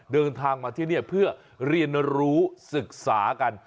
เดินทางมาที่นี่เพื่อเรียนรู้ศึกษากัน